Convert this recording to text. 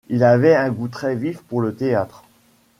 Il avait un goût très vif pour le théâtre.